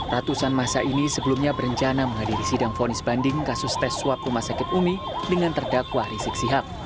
ratusan masa ini sebelumnya berencana menghadiri sidang fonis banding kasus tes swab rumah sakit umi dengan terdakwa rizik sihab